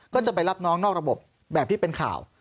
ก็จะไปรับน้องนอกระบบแบบที่เป็นข่าว